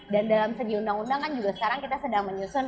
dan dalam segi undang undang kan juga sekarang kita sedang menyusun rancangan